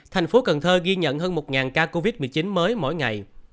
thành phố cần thơ ghi nhận hơn một ca covid một mươi chín mới mỗi ngày